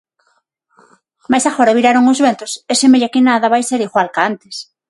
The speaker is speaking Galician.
Mais agora viraron os ventos e semella que nada vai ser igual ca antes.